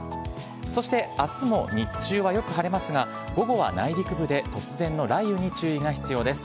そしてあすも日中はよく晴れますが、午後は内陸部で突然の雷雨に注意が必要です。